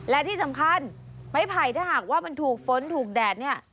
และที่สำคัญไม้ไผ่ถ้าหากว่ามันถูกฝนถูกแดดเนี่ย